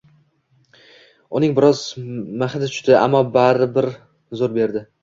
Uning biroz mhi tushdi, ammo ban bir zo‘r berdi: